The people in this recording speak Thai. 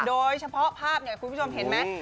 โดยเฉพาะภาพเนี่ยคุณผู้ชมเห็นไหม